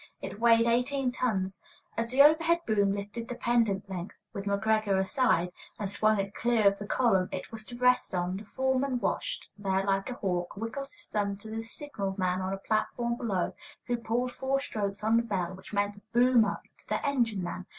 It weighed eighteen tons. As the overhead boom lifted the pendent length (with McGreggor astride) and swung it clear of the column it was to rest on, the foreman, watching there like a hawk, wiggled his thumb to the signal man on a platform below, who pulled four strokes on the bell, which meant "boom up" to the engine man.